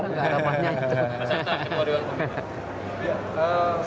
masa nanti mau dewan pembina